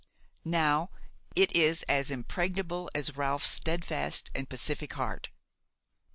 Now it is as impregnable as Ralph's steadfast and pacific heart."